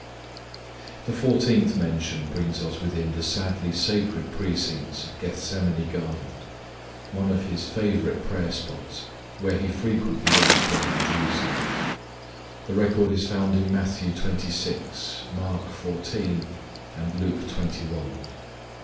The fourteenth mention brings us within the sadly sacred precincts of Gethsemane garden, one of His favourite prayer spots, where He frequently went while in Jerusalem. The record is found in Matthew twenty six, Mark fourteen, and Luke twenty one.